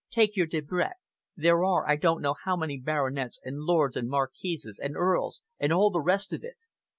Take your Debrett there are I don't know how many baronets and lords and marquises and earls, and all the rest of it.